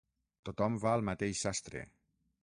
Tothom va al mateix sastre.